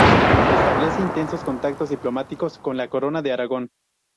Establece intensos contactos diplomáticos con la Corona de Aragón.